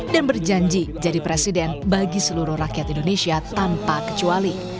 dan berjanji jadi presiden bagi seluruh rakyat indonesia tanpa kecuali